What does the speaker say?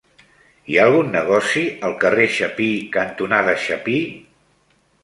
Hi ha algun negoci al carrer Chapí cantonada Chapí?